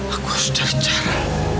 aku harus cari cara